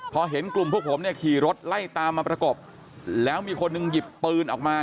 พอเห็นกลุ่มพวกผมเนี่ยขี่รถไล่ตามมาประกบแล้วมีคนหนึ่งหยิบปืนออกมา